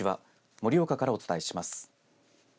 盛岡からお伝えします。